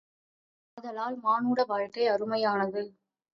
ஆதலால் மானுட வாழ்க்கை அருமையானது.